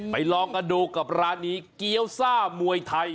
ลองกันดูกับร้านนี้เกี้ยวซ่ามวยไทย